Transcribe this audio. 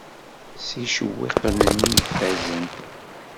S yicewwiqen-nni ifazen.